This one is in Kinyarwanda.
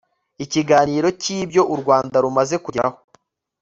ikiganiro cya ibyo u rwanda rumaze kugeraho